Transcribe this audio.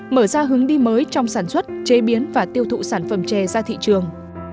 mở ra hướng đi mới trong sản xuất chế biến và tiêu thụ sản phẩm chè ra thị trường